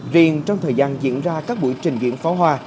riêng trong thời gian diễn ra các buổi trình diễn pháo hoa